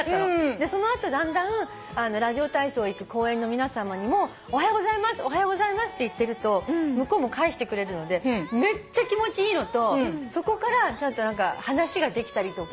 でその後だんだんラジオ体操行く公園の皆さまにも「おはようございます」「おはようございます」って言ってると向こうも返してくれるのでめっちゃ気持ちいいのとそこから話ができたりとか。